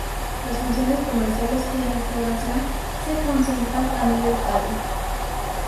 Las funciones comerciales y de restauración se concentran a nivel calle.